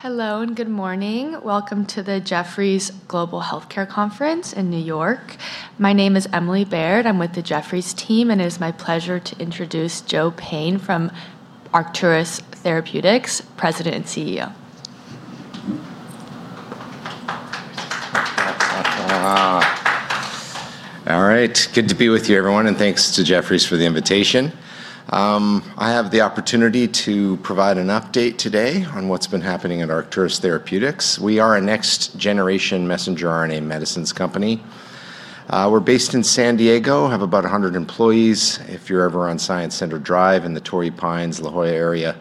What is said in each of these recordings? Hello and good morning. Welcome to the Jefferies Global Healthcare Conference in New York. My name is Emily Baird. I'm with the Jefferies team, and it is my pleasure to introduce Joseph Payne from Arcturus Therapeutics, President and CEO. All right. Good to be with you everyone, and thanks to Jefferies for the invitation. I have the opportunity to provide an update today on what's been happening at Arcturus Therapeutics. We are a next generation messenger RNA medicines company. We're based in San Diego, have about 100 employees. If you're ever on Science Center Drive in the Torrey Pines, La Jolla area,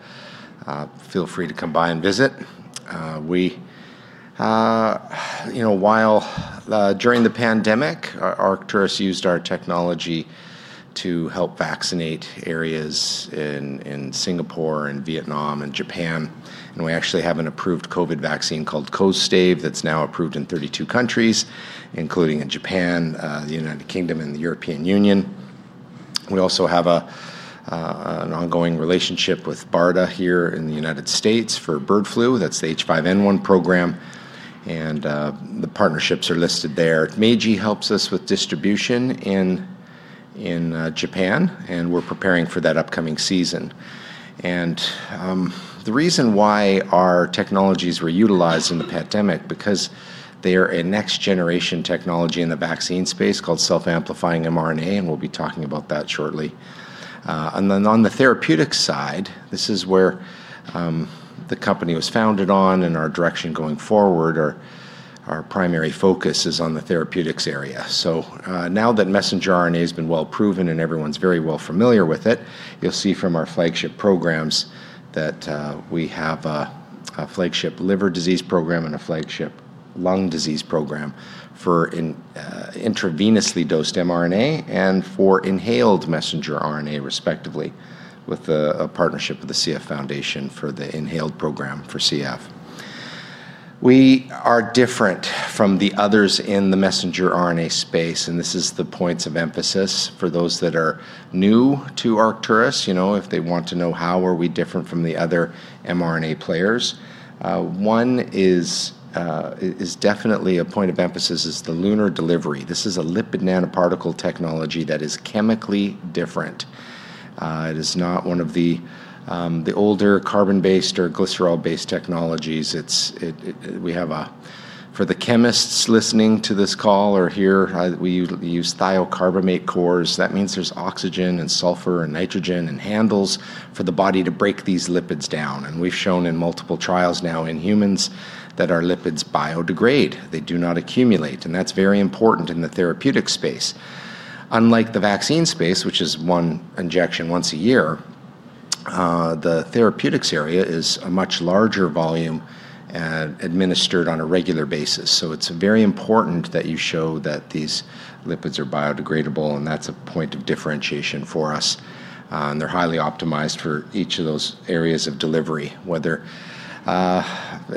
feel free to come by and visit. During the pandemic, Arcturus used our technology to help vaccinate areas in Singapore and Vietnam and Japan, and we actually have an approved COVID vaccine called Kostaive that's now approved in 32 countries, including in Japan, the United Kingdom, and the European Union. We also have an ongoing relationship with BARDA here in the United States for bird flu, that's the H5N1 program, and the partnerships are listed there. Meiji helps us with distribution in Japan. We're preparing for that upcoming season. The reason why our technologies were utilized in the pandemic, because they are a next generation technology in the vaccine space called self-amplifying mRNA. We'll be talking about that shortly. On the therapeutics side, this is where the company was founded on and our direction going forward, our primary focus is on the therapeutics area. Now that messenger RNA has been well proven and everyone's very well familiar with it, you'll see from our flagship programs that we have a flagship liver disease program and a flagship lung disease program for intravenously dosed mRNA and for inhaled messenger RNA respectively, with a partnership with the CF Foundation for the inhaled program for CF. We are different from the others in the messenger RNA space, and this is the points of emphasis for those that are new to Arcturus, if they want to know how are we different from the other mRNA players. One is definitely a point of emphasis is the LUNAR delivery. This is a lipid nanoparticle technology that is chemically different. It is not one of the older carbon-based or glycerol-based technologies. For the chemists listening to this call or here, we use thiocarbamate cores. That means there's oxygen and sulfur and nitrogen and handles for the body to break these lipids down, and we've shown in multiple trials now in humans that our lipids biodegrade. They do not accumulate, and that's very important in the therapeutic space. Unlike the vaccine space, which is one injection once a year, the therapeutics area is a much larger volume administered on a regular basis. It's very important that you show that these lipids are biodegradable, and that's a point of differentiation for us. They're highly optimized for each of those areas of delivery.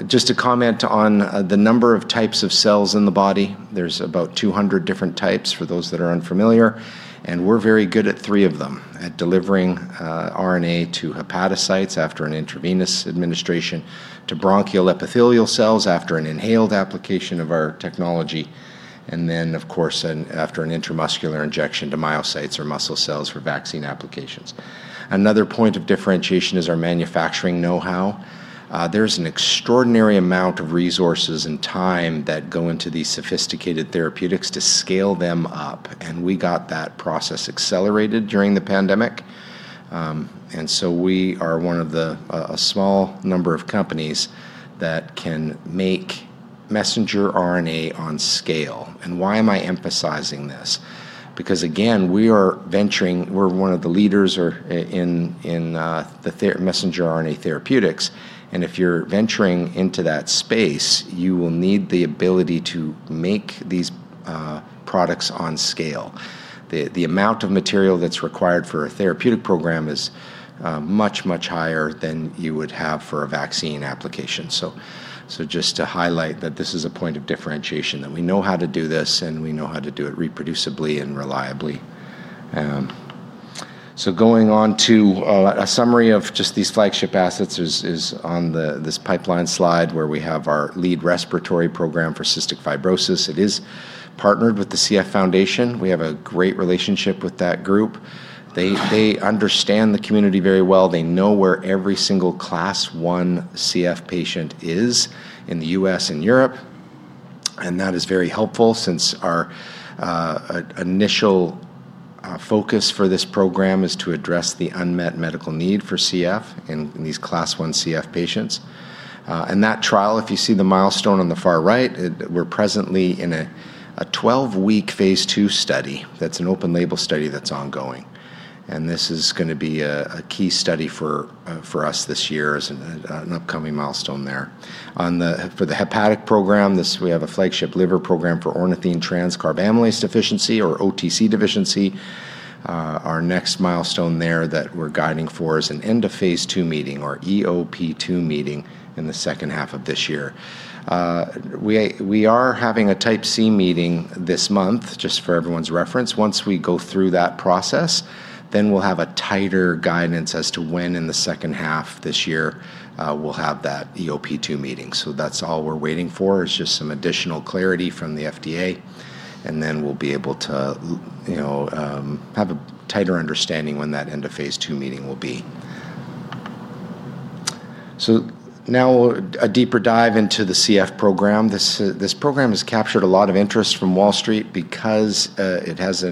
Just to comment on the number of types of cells in the body, there's about 200 different types for those that are unfamiliar, and we're very good at three of them, at delivering RNA to hepatocytes after an intravenous administration, to bronchial epithelial cells after an inhaled application of our technology. Of course, after an intramuscular injection to myocytes or muscle cells for vaccine applications. Another point of differentiation is our manufacturing know-how. There's an extraordinary amount of resources and time that go into these sophisticated therapeutics to scale them up, and we got that process accelerated during the pandemic. We are one of a small number of companies that can make messenger RNA on scale. Why am I emphasizing this? Because again, we're one of the leaders in the messenger RNA therapeutics, and if you're venturing into that space, you will need the ability to make these products on scale. The amount of material that's required for a therapeutic program is much, much higher than you would have for a vaccine application. Just to highlight that this is a point of differentiation, that we know how to do this, and we know how to do it reproducibly and reliably. Going on to a summary of just these flagship assets is on this pipeline slide where we have our lead respiratory program for cystic fibrosis. It is partnered with the CF Foundation. We have a great relationship with that group. They understand the community very well. They know where every single Class I CF patient is in the U.S. and Europe, and that is very helpful since our initial focus for this program is to address the unmet medical need for CF in these Class I CF patients. In that trial, if you see the milestone on the far right, we're presently in a 12-week phase II study that's an open label study that's ongoing. This is going to be a key study for us this year as an upcoming milestone there. For the hepatic program, we have a flagship liver program for ornithine transcarbamylase deficiency or OTC deficiency. Our next milestone there that we're guiding for is an end of phase II meeting or EOP2 meeting in the second half of this year. We are having a Type C meeting this month, just for everyone's reference. We go through that process, then we'll have a tighter guidance as to when in the second half this year we'll have that EOP2 meeting. That's all we're waiting for is just some additional clarity from the FDA, and then we'll be able to have a tighter understanding when that end of phase II meeting will be. Now a deeper dive into the CF program. This program has captured a lot of interest from Wall Street because it has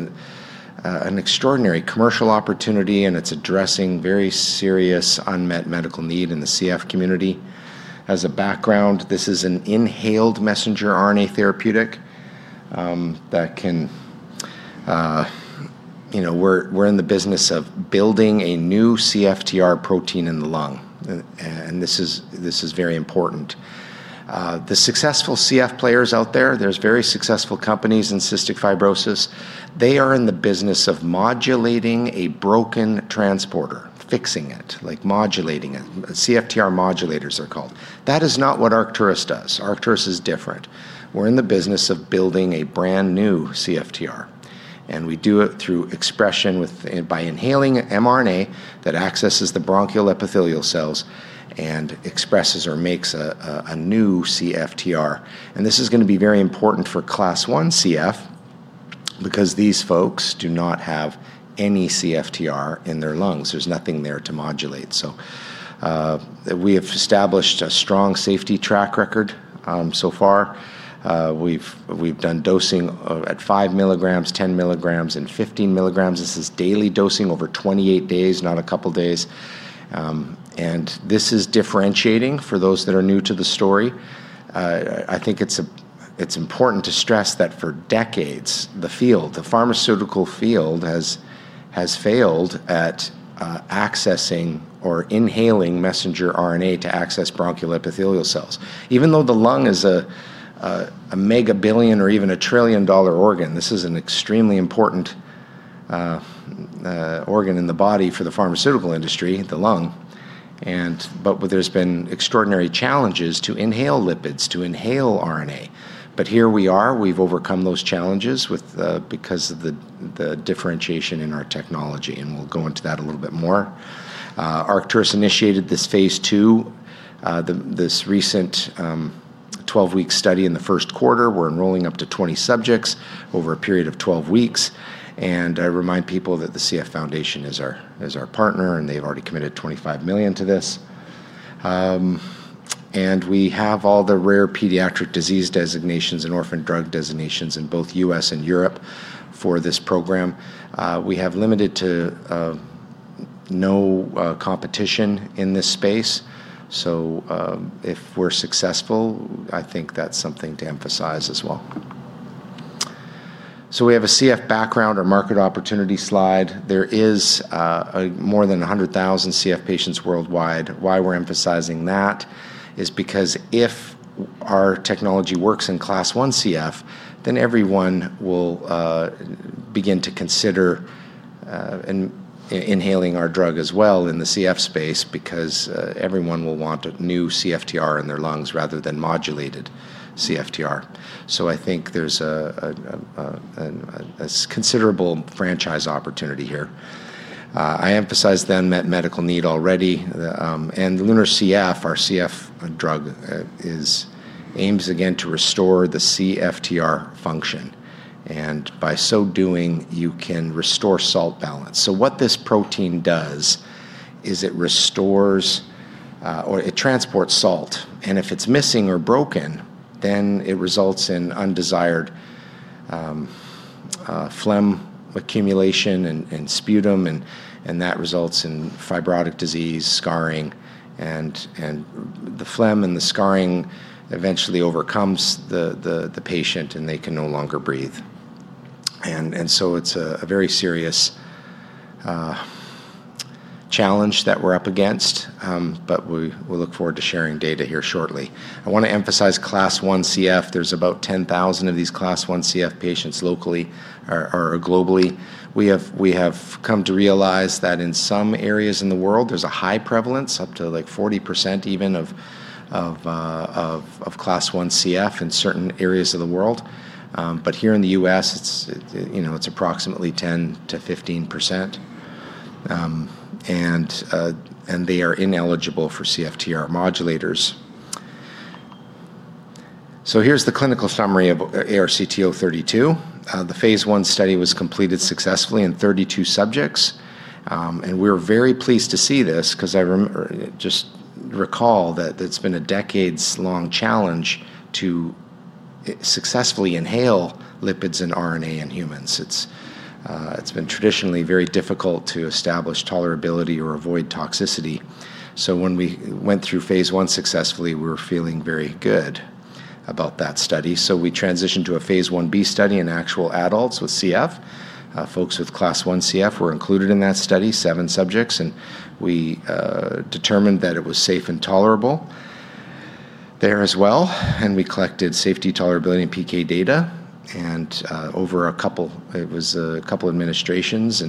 an extraordinary commercial opportunity, and it's addressing very serious unmet medical need in the CF community. As a background, this is an inhaled messenger RNA therapeutic. We're in the business of building a new CFTR protein in the lung, and this is very important. The successful CF players out there's very successful companies in cystic fibrosis. They are in the business of modulating a broken transporter, fixing it, modulating it. CFTR modulators they're called. That is not what Arcturus does. Arcturus is different. We're in the business of building a brand-new CFTR, and we do it through expression by inhaling mRNA that accesses the bronchial epithelial cells and expresses or makes a new CFTR. This is going to be very important for Class I CF because these folks do not have any CFTR in their lungs. There's nothing there to modulate. We have established a strong safety track record so far. We've done dosing at 5 mg, 10 mg, and 15 mg. This is daily dosing over 28 days, not a couple of days. This is differentiating for those that are new to the story. I think it's important to stress that for decades, the field, the pharmaceutical field, has failed at accessing or inhaling messenger RNA to access bronchial epithelial cells. Even though the lung is a mega billion or even a trillion-dollar organ, this is an extremely important organ in the body for the pharmaceutical industry, the lung. There's been extraordinary challenges to inhale lipids, to inhale RNA. Here we are, we've overcome those challenges because of the differentiation in our technology, and we'll go into that a little bit more. Arcturus initiated this phase II, this recent 12-week study in the first quarter. We're enrolling up to 20 subjects over a period of 12 weeks. I remind people that the Cystic Fibrosis Foundation is our partner, and they've already committed $25 million to this. We have all the Rare Pediatric Disease Designations and Orphan Drug Designations in both U.S. and Europe for this program. If we're successful, I think that's something to emphasize as well. We have a Cystic Fibrosis background or market opportunity slide. There is more than 100,000 cystic fibrosis patients worldwide. Why we're emphasizing that is because if our technology works in Class I CF, then everyone will begin to consider inhaling our drug as well in the CF space because everyone will want a new CFTR in their lungs rather than modulated CFTR. I think there's a considerable franchise opportunity here. I emphasized the unmet medical need already. The LUNAR-CF, our CF drug, aims again to restore the CFTR function. By so doing, you can restore salt balance. What this protein does is it restores or it transports salt, and if it's missing or broken, then it results in undesired phlegm accumulation and sputum, and that results in fibrotic disease, scarring. The phlegm and the scarring eventually overcomes the patient, and they can no longer breathe. It's a very serious challenge that we're up against, but we look forward to sharing data here shortly. I want to emphasize Class I CF. There's about 10,000 of these Class I CF patients locally or globally. We have come to realize that in some areas in the world, there's a high prevalence, up to 40% even of Class I CF in certain areas of the world. Here in the U.S., it's approximately 10%-15%, and they are ineligible for CFTR modulators. Here's the clinical summary of ARCT-032. The phase I study was completed successfully in 32 subjects. We were very pleased to see this because I just recall that it's been a decades' long challenge to successfully inhale lipids and RNA in humans. It's been traditionally very difficult to establish tolerability or avoid toxicity. When we went through phase I successfully, we were feeling very good about that study. We transitioned to a phase Ib study in actual adults with CF. Folks with Class I CF were included in that study, seven subjects, and we determined that it was safe and tolerable there as well, and we collected safety tolerability and PK data over a couple of administrations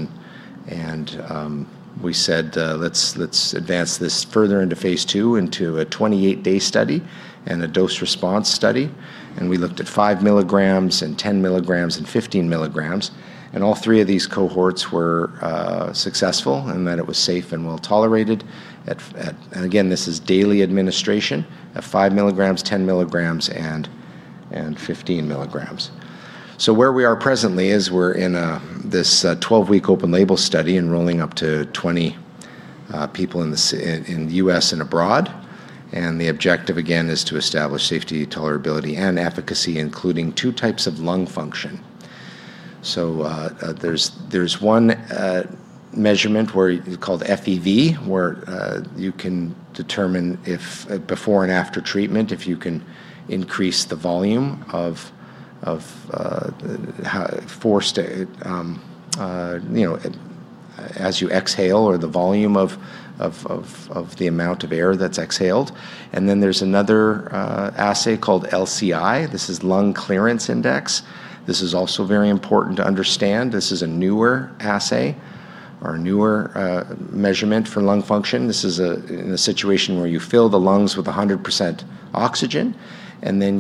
and we said, "Let's advance this further into phase II, into a 28-day study and a dose response study." We looked at five mg and 10 mg and 15 mg, and all three of these cohorts were successful and that it was safe and well-tolerated. Again, this is daily administration at five mg, 10 mg, and 15 mg. Where we are presently is we're in this 12-week open label study, enrolling up to 20 people in the U.S. and abroad, and the objective, again, is to establish safety, tolerability, and efficacy, including two types of lung function. There's one measurement called FEV, where you can determine if before and after treatment if you can increase the volume as you exhale, or the volume of the amount of air that's exhaled. There's another assay called LCI. This is lung clearance index. This is also very important to understand. This is a newer assay or a newer measurement for lung function. This is in a situation where you fill the lungs with 100% oxygen, and then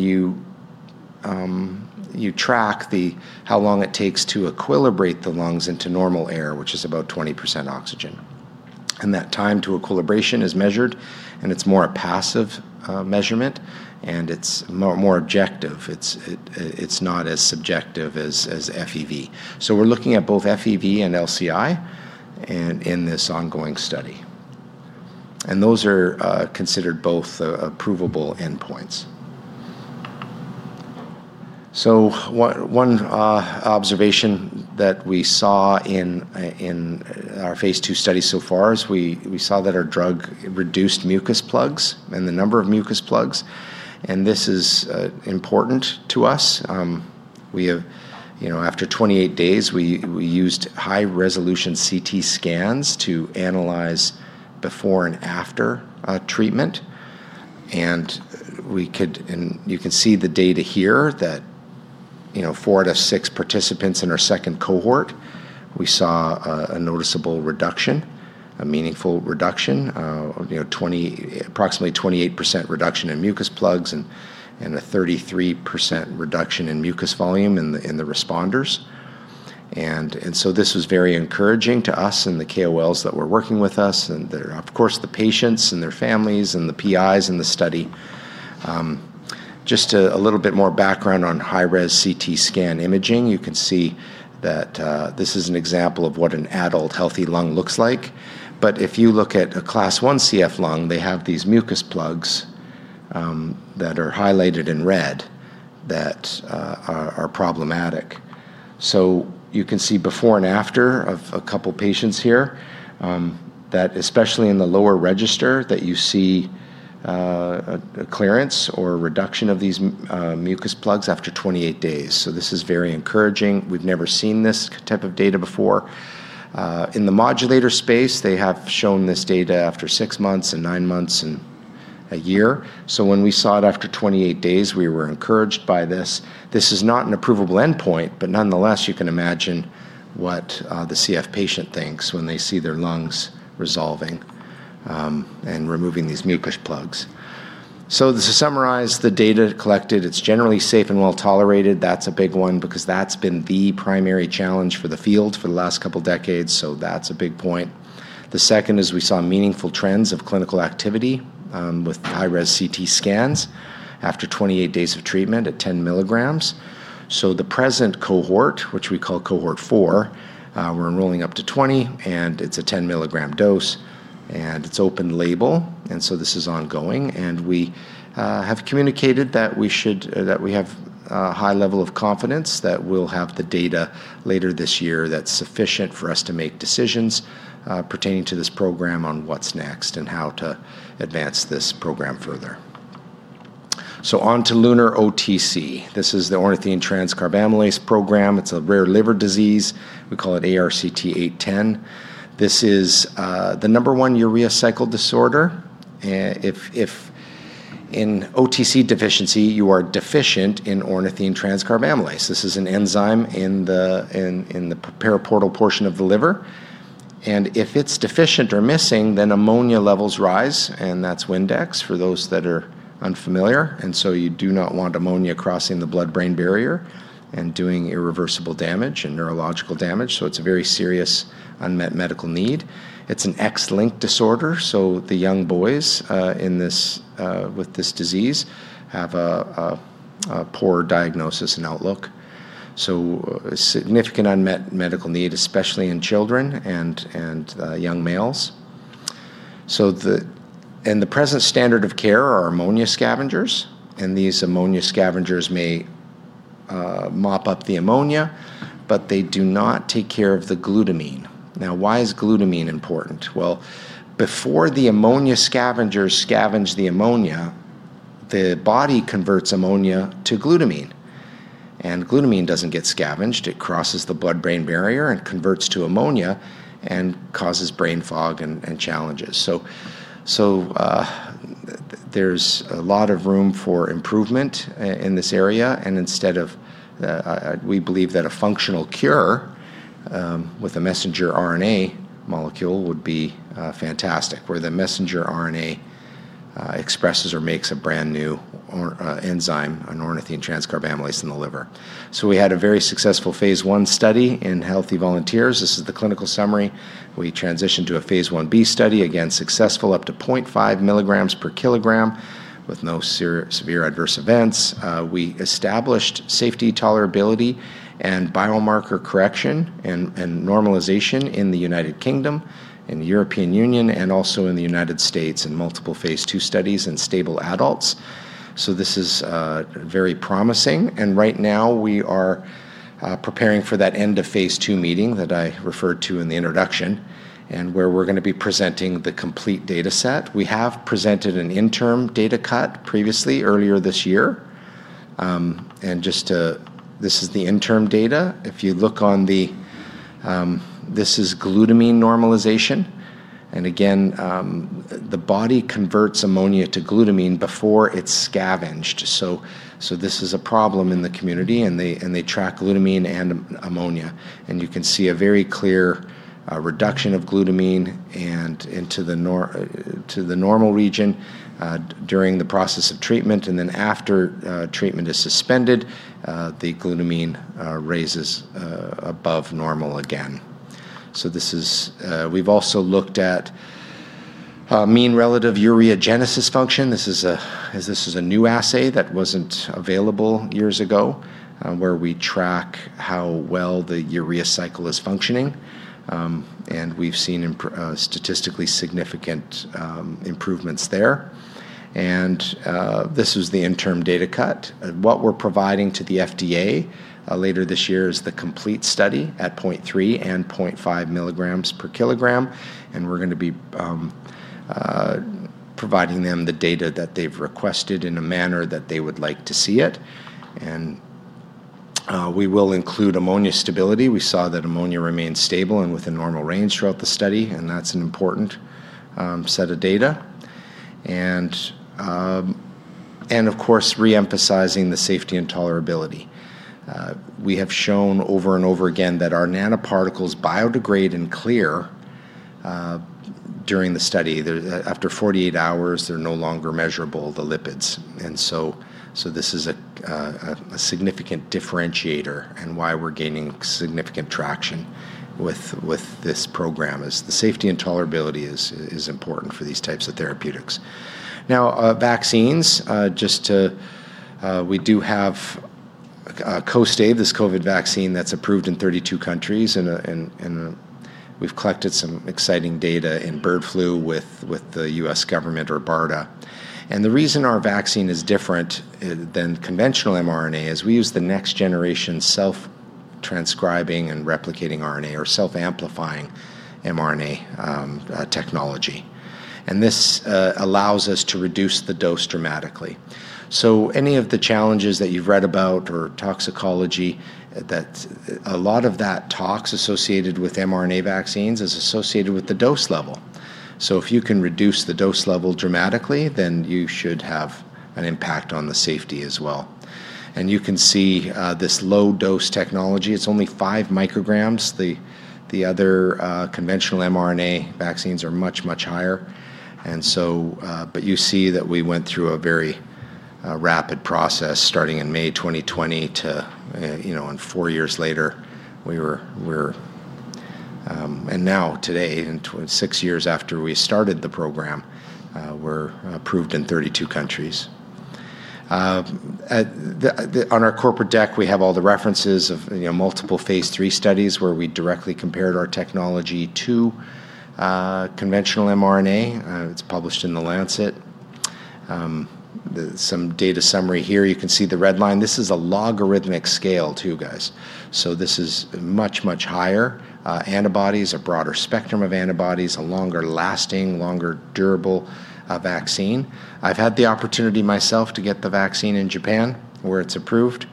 you track how long it takes to equilibrate the lungs into normal air, which is about 20% oxygen. That time to equilibration is measured, and it's more a passive measurement, and it's more objective. It's not as subjective as FEV. We're looking at both FEV and LCI in this ongoing study, and those are considered both approvable endpoints. One observation that we saw in our phase II study so far is we saw that our drug reduced mucus plugs and the number of mucus plugs, and this is important to us. After 28 days, we used high-resolution CT scans to analyze before and after treatment, and you can see the data here that four to six participants in our second cohort, we saw a noticeable reduction, a meaningful reduction, approximately 28% reduction in mucus plugs and a 33% reduction in mucus volume in the responders. This was very encouraging to us and the KOLs that were working with us, and of course, the patients and their families and the PIs in the study. Just a little bit more background on high-resolution CT scan imaging. You can see that this is an example of what an adult healthy lung looks like. If you look at a Class I CF lung, they have these mucus plugs that are highlighted in red that are problematic. You can see before and after of a couple patients here, that especially in the lower register, that you see a clearance or reduction of these mucus plugs after 28 days. This is very encouraging. We've never seen this type of data before. In the modulator space, they have shown this data after six months and nine months and a year. When we saw it after 28 days, we were encouraged by this. This is not an approvable endpoint, but nonetheless, you can imagine what the CF patient thinks when they see their lungs resolving and removing these mucus plugs. This is summarized, the data collected, it's generally safe and well-tolerated. That's a big one because that's been the primary challenge for the field for the last couple of decades, so that's a big point. The second is we saw meaningful trends of clinical activity with high-res CT scans after 28 days of treatment at 10 mg. The present cohort, which we call Cohort 4, we're enrolling up to 20, and it's a 10-mg dose, and it's open label, and so this is ongoing. We have communicated that we have a high level of confidence that we'll have the data later this year that's sufficient for us to make decisions pertaining to this program on what's next and how to advance this program further. On to LUNAR-OTC. This is the ornithine transcarbamylase program. It's a rare liver disease. We call it ARCT-810. This is the number one urea cycle disorder. In OTC deficiency, you are deficient in ornithine transcarbamylase. This is an enzyme in the periportal portion of the liver, and if it's deficient or missing, then ammonia levels rise, and that's Windex, for those that are unfamiliar. You do not want ammonia crossing the blood-brain barrier and doing irreversible damage and neurological damage. It's a very serious unmet medical need. It's an X-linked disorder, so the young boys with this disease have a poor diagnosis and outlook. A significant unmet medical need, especially in children and young males. The present standard of care are ammonia scavengers, and these ammonia scavengers may mop up the ammonia, but they do not take care of the glutamine. Now, why is glutamine important? Well, before the ammonia scavengers scavenge the ammonia, the body converts ammonia to glutamine, and glutamine doesn't get scavenged. It crosses the blood-brain barrier and converts to ammonia and causes brain fog and challenges. There's a lot of room for improvement in this area, and we believe that a functional cure with a messenger RNA molecule would be fantastic, where the messenger RNA expresses or makes a brand new enzyme, an ornithine transcarbamylase in the liver. We had a very successful phase I study in healthy volunteers. This is the clinical summary. We transitioned to a phase Ib study, again, successful up to 0.5 mg/kg with no severe adverse events. We established safety tolerability and biomarker correction and normalization in the United Kingdom and the European Union, and also in the United States in multiple phase II studies in stable adults. This is very promising. Right now we are preparing for that end of phase II meeting that I referred to in the introduction, and where we're going to be presenting the complete data set. We have presented an interim data cut previously, earlier this year. This is the interim data. If you look on the. This is glutamine normalization. Again, the body converts ammonia to glutamine before it's scavenged. This is a problem in the community, and they track glutamine and ammonia. You can see a very clear reduction of glutamine and into the normal region during the process of treatment. After treatment is suspended, the glutamine raises above normal again. We've also looked at mean relative ureagenesis function. This is a new assay that wasn't available years ago, where we track how well the urea cycle is functioning. We've seen statistically significant improvements there. This is the interim data cut. What we're providing to the FDA later this year is the complete study at 0.3 and 0.5 mg/kg. We're going to be providing them the data that they've requested in a manner that they would like to see it. We will include ammonia stability. We saw that ammonia remained stable and within normal range throughout the study, and that's an important set of data. Of course, re-emphasizing the safety and tolerability. We have shown over and over again that our nanoparticles biodegrade and clear during the study. After 48 hr, they're no longer measurable, the lipids. This is a significant differentiator and why we're gaining significant traction with this program, as the safety and tolerability is important for these types of therapeutics. Now, vaccines. We do have Kostaive, this COVID vaccine that's approved in 32 countries, and we've collected some exciting data in bird flu with the U.S. government or BARDA. The reason our vaccine is different than conventional mRNA is we use the next generation self-transcribing and replicating RNA or self-amplifying mRNA technology. This allows us to reduce the dose dramatically. Any of the challenges that you've read about or toxicology, a lot of that tox associated with mRNA vaccines is associated with the dose level. If you can reduce the dose level dramatically, then you should have an impact on the safety as well. You can see this low-dose technology, it's only five micrograms. The other conventional mRNA vaccines are much, much higher. You see that we went through a very rapid process starting in May 2020 to four years later. Now today, six years after we started the program, we're approved in 32 countries. On our corporate deck, we have all the references of multiple phase III studies where we directly compared our technology to conventional mRNA. It's published in "The Lancet." Some data summary here, you can see the red line. This is a logarithmic scale too, guys. This is much, much higher antibodies, a broader spectrum of antibodies, a longer lasting, longer durable vaccine. I've had the opportunity myself to get the vaccine in Japan where it's approved.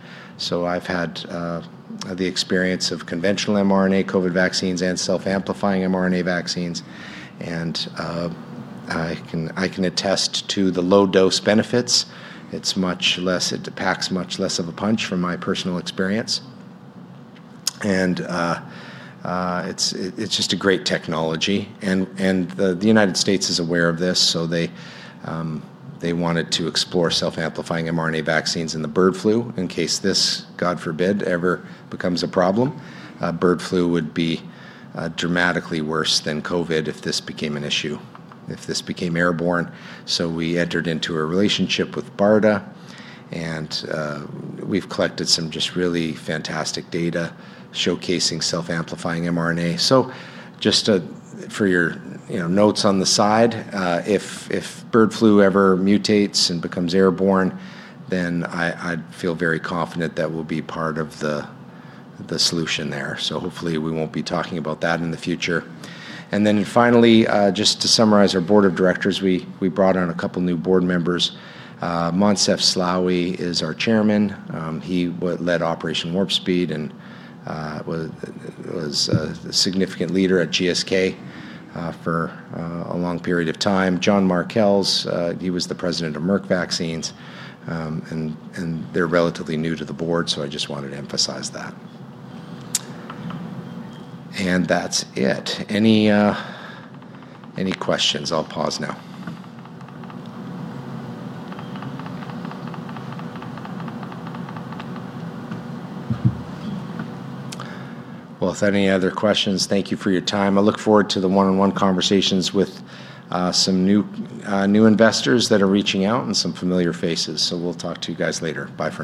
I've had the experience of conventional mRNA COVID vaccines and self-amplifying mRNA vaccines. I can attest to the low-dose benefits. It packs much less of a punch from my personal experience. It's just a great technology. The United States is aware of this, so they wanted to explore self-amplifying mRNA vaccines in the bird flu in case this, God forbid, ever becomes a problem. Bird flu would be dramatically worse than COVID if this became an issue, if this became airborne. We entered into a relationship with BARDA, and we've collected some just really fantastic data showcasing self-amplifying mRNA. Just for your notes on the side, if bird flu ever mutates and becomes airborne, then I'd feel very confident that we'll be part of the solution there. Hopefully we won't be talking about that in the future. finally, just to summarize our board of directors, we brought on a couple new board members. Moncef Slaoui is our Chairman. He led Operation Warp Speed and was a significant leader at GSK for a long period of time. John Markels, he was the President of Merck Vaccines. They're relatively new to the board, so I just wanted to emphasize that. That's it. Any questions? I'll pause now. Well, if there any other questions, thank you for your time. I look forward to the one-on-one conversations with some new investors that are reaching out and some familiar faces. We'll talk to you guys later. Bye for now.